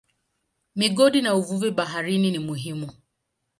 Migodi na uvuvi baharini ni muhimu.